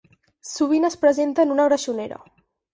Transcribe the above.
Sovint es presenta en una greixonera.